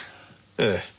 ええ。